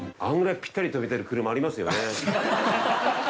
あれぐらいぴったり止めてる車ありますよね。